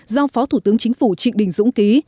do phó thủ tướng chính phủ trịnh đình dũng ký